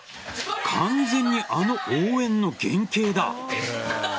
完全に、あの応援の原型だ。